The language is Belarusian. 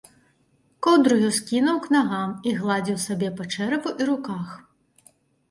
Коўдру ён скінуў к нагам і гладзіў сабе па чэраву і руках.